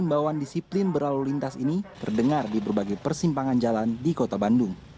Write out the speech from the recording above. imbauan disiplin berlalu lintas ini terdengar di berbagai persimpangan jalan di kota bandung